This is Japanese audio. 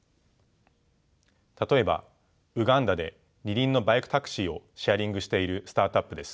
例えばウガンダで二輪のバイクタクシーをシェアリングしているスタートアップです。